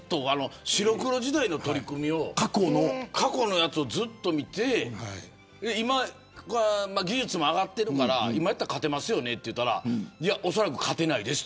白黒時代の取り組みを過去のやつをずっと見て今は技術も上がっているから今やったら勝てますよねと言ったらおそらく勝てないですと。